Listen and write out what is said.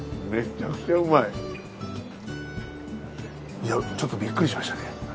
いやちょっとビックリしましたね。